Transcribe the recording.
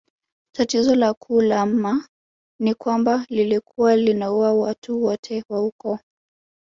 Tatizo la kuu la mma ni kwamba lilikuwa linaua watu wote wa ukoo